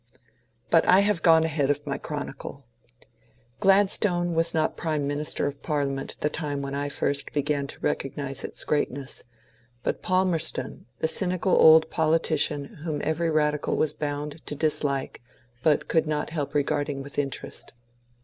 But I have gone ahead of my chronicle. Gladstone was not prime minister of Parliament at the time when I first began to recognize its greatness, but Palmerston, the cynical old politician whom every radical was bound to dislike but could not help regarding with interest.